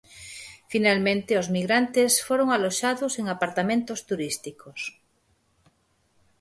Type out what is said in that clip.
Finalmente os migrantes foron aloxados en apartamentos turísticos.